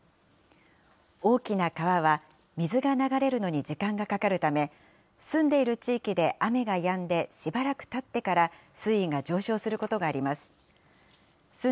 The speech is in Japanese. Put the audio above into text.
大きな川は、水が流れるのに時間がかかるため、住んでいる地域で雨がやんでしばらくたってから、水位が上昇することがあります。